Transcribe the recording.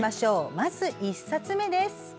まず１冊目です。